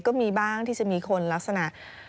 ก็มีบ้างที่จะมีคนลักษณะ